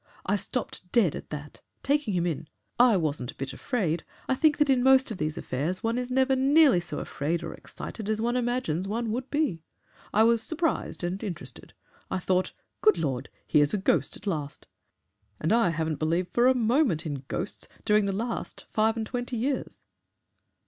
I stopped dead at that taking him in. I wasn't a bit afraid. I think that in most of these affairs one is never nearly so afraid or excited as one imagines one would be. I was surprised and interested. I thought, 'Good Lord! Here's a ghost at last! And I haven't believed for a moment in ghosts during the last five and twenty years.'"